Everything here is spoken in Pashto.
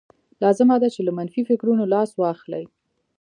لازمه ده چې له منفي فکرونو لاس واخلئ.